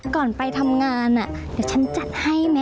ก่อนไปทำงานเดี๋ยวฉันจัดให้ไหม